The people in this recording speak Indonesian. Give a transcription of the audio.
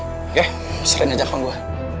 oke serahin aja bang gue